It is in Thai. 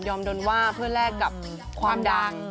โดนว่าเพื่อแลกกับความดัง